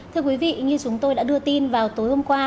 thưa quý vị như chúng tôi đã đưa tin vào tối hôm qua